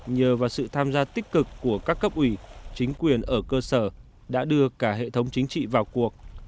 nhờ vào sự tham gia tích cực của các cấp ủy chính quyền ở cơ sở đã đưa cả hệ thống chính trị vào cuộc